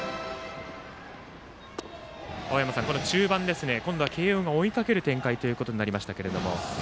青山さん、中盤ですが慶応が追いかける展開となりました。